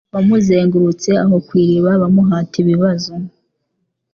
Bamuzengurutse aho kw’iriba, bamuhata ibibazo,